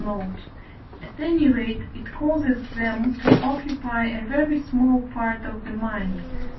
note); at any rate, it causes them to occupy a very small part of the mind (V.